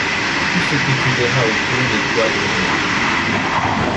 Tout ce que tu verras autour de toi hurler ;